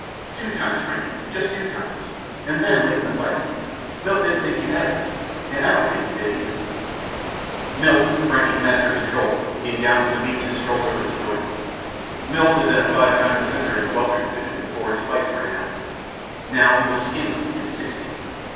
"Two times, Frankie. Just two times. And them late in the fight. Milt didn't think you had it, and I don't think you did either." Milt, Frankie's master control, came down to the beach and strolled over to join them. Milt had been a Five Time Defender in the Welter division before his fights ran out. Now he was skinny and sixty.